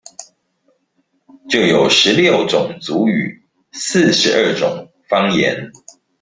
就有十六種族語、四十二種方言